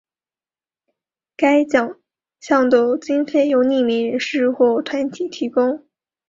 该奖项的经费由匿名人士或团体提供。